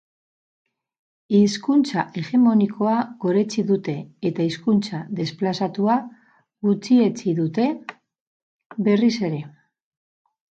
Hizkuntza hegemonikoa goretsi dute eta hizkuntza desplazatua gutxietxi dute, berriz ere.